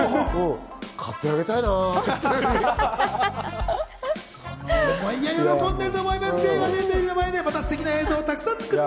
買ってあげたいなぁって。